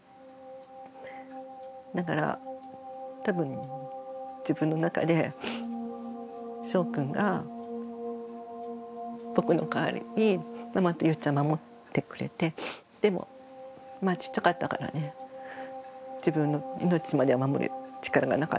だから多分自分の中でしょうくんが僕の代わりにママとゆうちゃん守ってくれてでもまあちっちゃかったからね自分の命までは守る力がなかった。